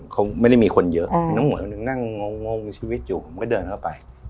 เขาไม่ได้มีคนเยอะอืมน้องหมวยนั่งงงงงชีวิตอยู่ผมก็เดินเข้าไป